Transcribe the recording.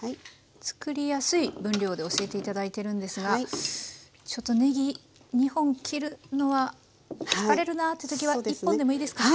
作りやすい分量で教えて頂いてるんですがちょっとねぎ２本切るのは疲れるなって時は１本でもいいですか？